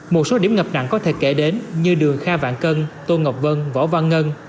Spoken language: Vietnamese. một số điểm ngập nặng có thể kể đến như đường kha vạn cân tô ngọc vân võ văn ngân